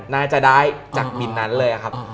น่าจะได้จากมินนั้นเลยครับ